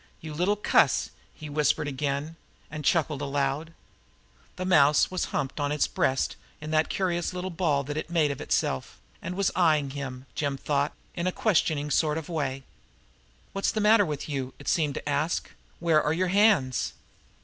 "You little cuss!" he whispered again, and he chuckled aloud. The mouse was humped on his breast in that curious little ball that it made of itself, and was eyeing him, Jim thought, in a questioning sort of way, "What's the matter with you?" it seemed to ask. "Where are your hands?"